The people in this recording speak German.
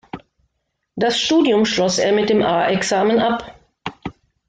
Das Studium schloss er mit dem A-Examen ab.